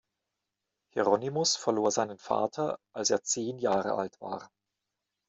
Hieronymus verlor seinen Vater, als er zehn Jahre alt war.